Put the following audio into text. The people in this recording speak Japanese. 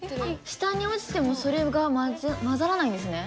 下に落ちてもそれが混ざらないんですね。